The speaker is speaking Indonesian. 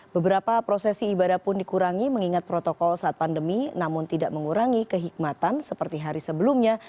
beberapa prosesi ibadah pun dikurangi mengingat protokol saat pandemi namun tidak mengurangi kehikmatan seperti hari sebelumnya